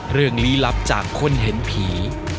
เรื่องลี้ลับจากคนเห็นผี